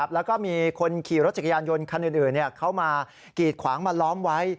แล้วก็มีคนขี่รถจักรยานยนต์คันอื่นเขามากีดขวางมาล้อมไว้